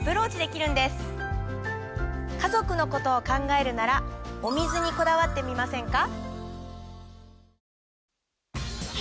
家族のことを考えるならお水にこだわってみませんか？